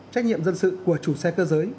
trách nhiệm dân sự của chủ xe cơ giới